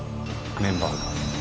メンバーが。